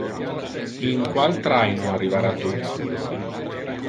In qual traino arrivara tu?